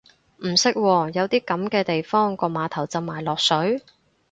唔識喎，有啲噉嘅地方個碼頭浸埋落水？